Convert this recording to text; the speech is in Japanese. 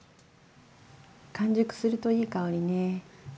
完熟するといい香りね。